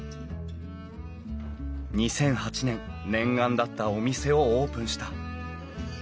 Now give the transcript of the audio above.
２００８年念願だったお店をオープンした。